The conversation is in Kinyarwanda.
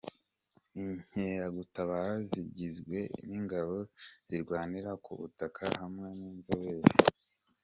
Inkeragutabara zigizwe n’Ingabo Zirwanira ku Butaka hamwe n’inzobere.